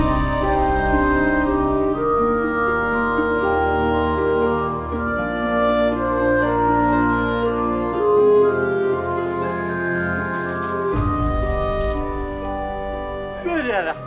lalu disini berdua berieve juga